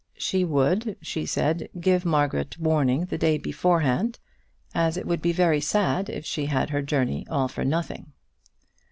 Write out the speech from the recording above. She would, she said, give Margaret warning the day beforehand, as it would be very sad if she had her journey all for nothing.